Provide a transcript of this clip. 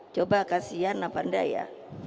coba kasian apandai ya